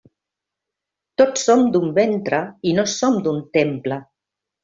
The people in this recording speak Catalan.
Tots som d'un ventre i no som d'un «temple».